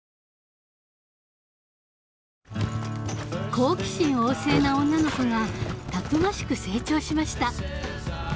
好奇心旺盛な女の子がたくましく成長しました。